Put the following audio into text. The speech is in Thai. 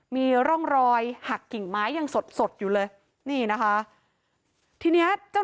มีร่องรอยหักกิ่งไม้ยังสดอยู่เลย